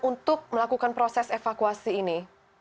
untuk melakukan proses evakuasi ini